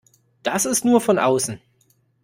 Das ist nur von außen.